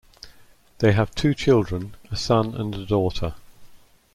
They have two children: a son and a daughter.